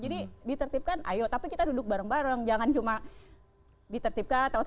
jadi ditertibkan ayo tapi kita duduk bareng bareng jangan cuma ditertibkan tahu tahu di